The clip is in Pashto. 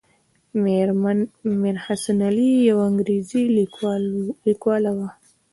مېرمن میر حسن علي یوه انګریزۍ لیکواله وه.